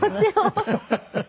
ハハハハ。